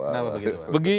nah pak begitu